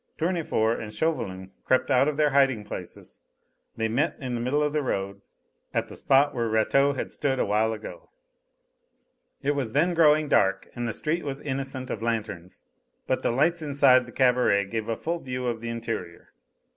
Tournefort and Chauvelin crept out of their hiding places. They met in the middle of the road, at the spot where Rateau had stood a while ago. It was then growing dark and the street was innocent of lanterns, but the lights inside the cabaret gave a full view of the interior.